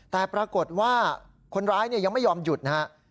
แต่ปรากฏว่าคนร้ายยังไม่ยอมหยุดนะครับ